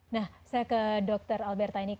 nah saya ke dr alberta ini